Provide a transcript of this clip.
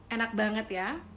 enak banget ya